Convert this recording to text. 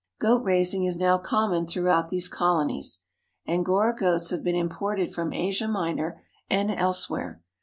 Goat raising is now common throughout these colonies. Angora goats have been imported from Asia Minor and elsewhere.